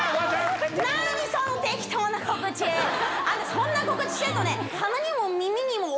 そんな告知してるとね。